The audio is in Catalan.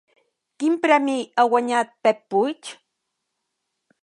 Quin premi ha guanyat Pep Puig?